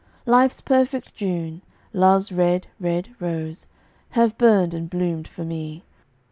Life's perfect June, love's red, red rose, Have burned and bloomed for me.